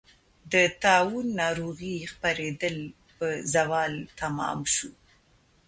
د طاعون ناروغۍ خپرېدل په زوال تمام شو.